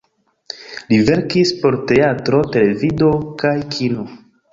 Li verkis por teatro, televido kaj kino.